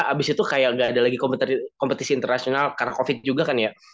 abis itu kayak gak ada lagi kompetisi internasional karena covid juga kan ya